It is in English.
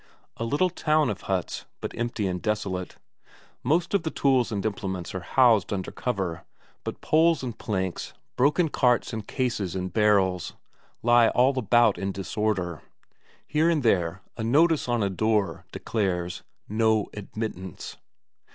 A little town of huts, but empty and desolate. Most of the tools and implements are housed under cover, but poles and planks, broken carts and cases and barrels, lie all about in disorder; here and there a notice on a door declares "No admittance."